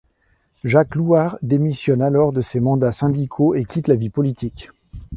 Jacques Louart démissionne alors de ses mandats syndicaux et quitte la vie politique.